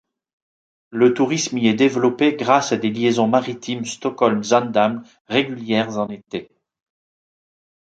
Le tourisme y est développé grâce à des liaisons maritimes Stockholm-Sandhamn régulières en été.